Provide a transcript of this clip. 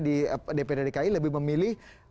di dprd dki lebih memilih